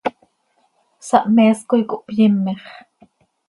Sahmees coi cohpyimix.